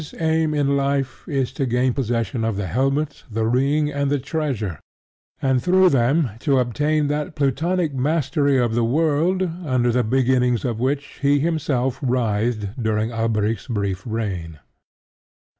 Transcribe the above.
His aim in life is to gain possession of the helmet, the ring, and the treasure, and through them to obtain that Plutonic mastery of the world under the beginnings of which he himself writhed during Alberic's brief reign.